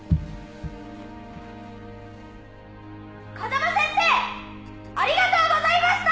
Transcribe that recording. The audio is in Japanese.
風間先生ありがとうございました！